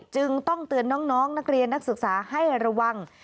จึงต้องเตือนน้องนักเรียนนักศึกษาให้ระวัง